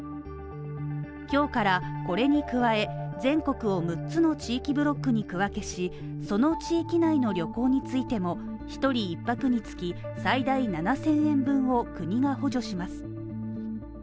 今日からこれに加え全国を６つの地域ブロックに区分けし、その地域内の旅行についても１人１泊につき最大７０００円分を国が補助します。